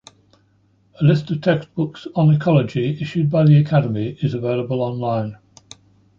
A list of textbooks on ecology issued by the Academy is available online.